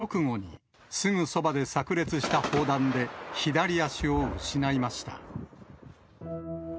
この直後に、すぐそばでさく裂した砲弾で、左足を失いました。